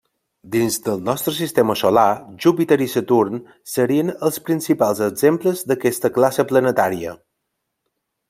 Dins del nostre Sistema Solar, Júpiter i Saturn serien els principals exemples d'aquesta classe planetària.